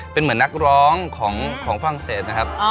เป็นเหมือนนักร้องของฝรั่งเศสนะครับ